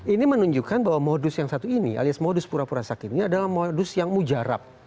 ini menunjukkan bahwa modus yang satu ini alias modus pura pura sakit ini adalah modus yang mujarab